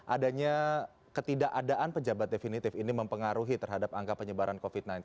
adanya ketidakadaan pejabat definitif ini mempengaruhi terhadap angka penyebaran covid sembilan belas